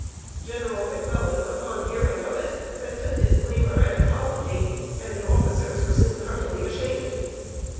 General McClellan, upon hearing of it, sent a disclaimer and apology, and the officers were soon heartily ashamed.